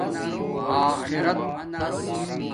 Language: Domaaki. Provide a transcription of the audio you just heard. آخرت